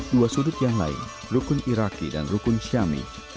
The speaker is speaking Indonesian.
dua sudut yang lain rukun iraki dan rukun syami